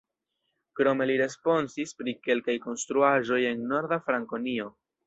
Krome li responsis pri kelkaj konstruaĵoj en Norda Frankonio.